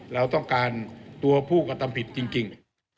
เราต้องการตัวผู้กระทำผิดจริง